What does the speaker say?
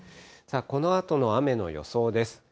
このあとの雨の予想です。